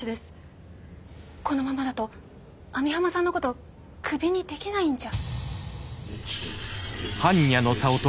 このままだと網浜さんのことクビにできないんじゃ。